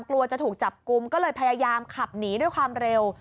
กลัวจะถูกจับกลุ่มก็เลยพยายามขับหนีด้วยความเร็ว